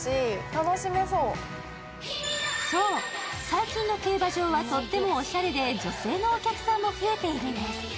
最近の競馬場はとってもおしゃれで女性のお客さんも増えているんです。